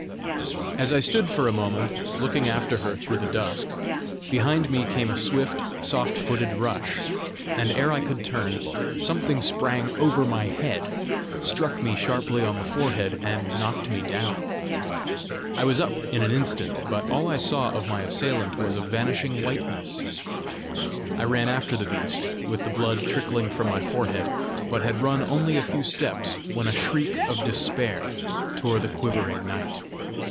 As I stood for a moment looking after her through the dusk, behind me came a swift, soft footed rush, and ere I could turn, something sprang over my head, struck me sharply on the forehead, and knocked me down. I was up in an instant, but all I saw of my assailant was a vanishing whiteness. I ran after the beast, with the blood trickling from my forehead; but had run only a few steps, when a shriek of despair tore the quivering night.